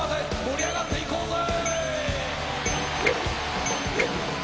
盛り上がって行こうぜ！